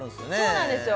そうなんですよ